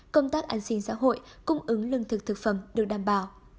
công tác an sinh xã hội cung ứng lương thực thực phẩm được đảm bảo